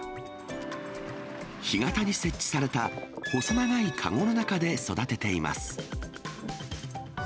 干潟に設置された、細長い籠の中で育てています。